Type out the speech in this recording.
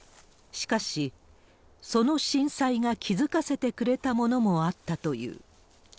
しかし、その震災が気付かせてくれたものもあったという。